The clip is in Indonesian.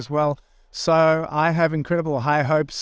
jadi saya punya harapan yang luar biasa untuk indonesia